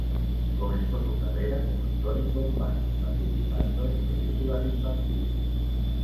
Comenzó su carrera como actor en Bombay participando en películas infantiles.